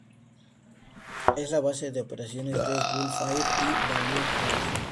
Es la base de operaciones de Gulf Air y Bahrain Air.